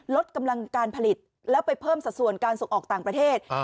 ลดกำลังการผลิตแล้วไปเพิ่มสัดส่วนการส่งออกต่างประเทศ